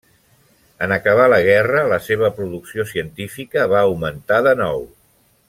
En acabar la guerra la seva producció científica va augmentar de nou.